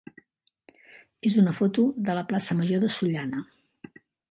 és una foto de la plaça major de Sollana.